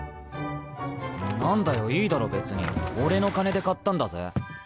何だよいいだろ別に俺の金で買ったんだぜ！